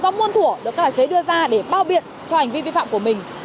do nguồn thủa được các đài xế đưa ra để bao biệt cho hành vi vi phạm của mình